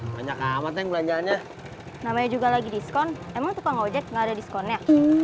banyak amat yang belanjanya namanya juga lagi diskon emang tukang ojek nggak ada diskonnya